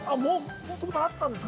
◆もともとあったんですか。